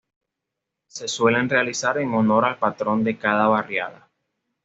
Se suelen realizar en honor al patrón de cada barriada.